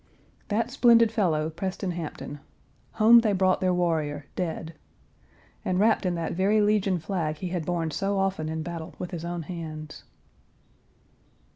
That splendid fellow, Preston Hampton; "home they brought their warrior, dead," and wrapped in that very Legion flag he had borne so often in battle with his own hands.